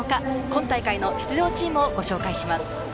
今大会の出場チームをご紹介します。